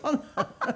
ハハハハ。